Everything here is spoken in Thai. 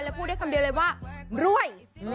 พูดได้คำเดียวเลยว่ารวย